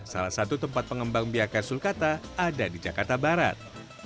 salah satu tempat pengembang biakan sulkata ada di jakarta barat